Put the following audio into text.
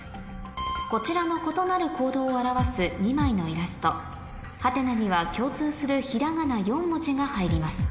こちらの異なる行動を表す２枚のイラスト「？」には共通するひらがな４文字が入ります